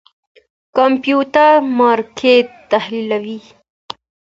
کمپيوټر مارکېټ تحليلوي.